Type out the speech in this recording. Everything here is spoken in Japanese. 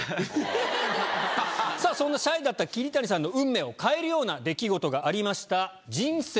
さぁそんなシャイだった桐谷さんの運命を変えるような出来事がありました。